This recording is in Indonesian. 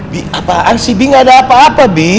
bi apaan sih bi gak ada apa apa bi